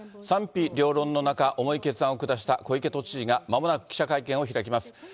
賛否両論の中、重い決断を下した小池都知事がまもなく記者会見を開きます。